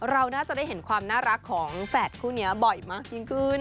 เราน่าจะได้เห็นความน่ารักของแฝดคู่นี้บ่อยมากยิ่งขึ้น